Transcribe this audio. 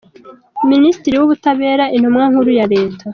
Minisitiri w’Ubutabera Intumwa Nkuru ya Leta.